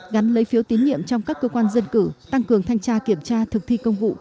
gắn lấy phiếu tín nhiệm trong các cơ quan dân cử tăng cường thanh tra kiểm tra thực thi công vụ